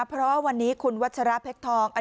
เพราะวันนี้คุณวัชราเพชรทอง